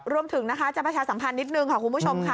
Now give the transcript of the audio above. รวมถึงจะประชาสำคัญนิดหนึ่งค่ะคุณผู้ชม